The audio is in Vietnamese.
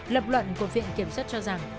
lập luận của viện kiểm soát cho rằng